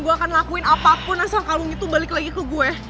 gue akan lakuin apapun asal kalung itu balik lagi ke gue